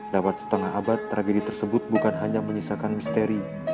dapat setengah abad tragedi tersebut bukan hanya menyisakan misteri